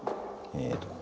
えっと